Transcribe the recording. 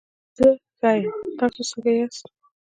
زه ښه یم، تاسو څنګه ياست؟